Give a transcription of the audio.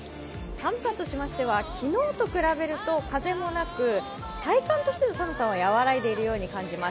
寒さとしましては昨日と比べると風もなく体感としての寒さは和らいでいるように感じます。